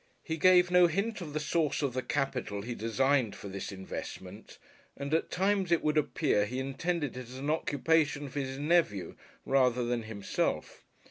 He gave no hint of the source of the capital he designed for this investment and at times it would appear he intended it as an occupation for his nephew rather than himself.